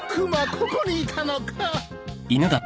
ここにいたのか。